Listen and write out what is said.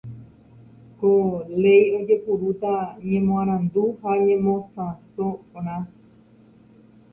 Ko léi ojepurúta ñemoarandu ha ñemosãsorã.